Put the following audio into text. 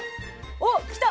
おっ来た！